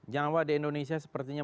jawa di indonesia sepertinya